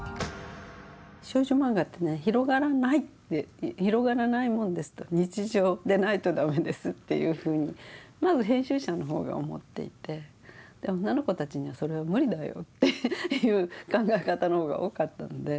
少女漫画ってね広がらないって広がらないものですと日常でないと駄目ですというふうにまず編集者の方が思っていて女の子たちにはそれは無理だよという考え方の方が多かったので。